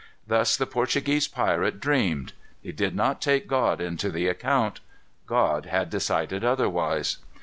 Thus the Portuguese pirate dreamed. He did not take God into the account. God had decided otherwise.